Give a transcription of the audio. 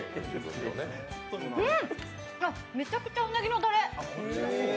めちゃくちゃうなぎのたれ。